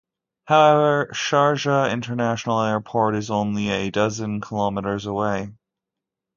However, Sharjah International Airport is only a dozen kilometres away.